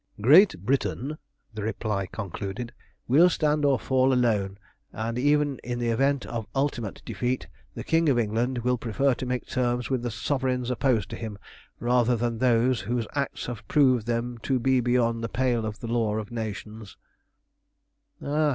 "Great Britain," the reply concluded, "will stand or fall alone; and even in the event of ultimate defeat, the King of England will prefer to make terms with the sovereigns opposed to him rather than with those whose acts have proved them to be beyond the pale of the law of nations."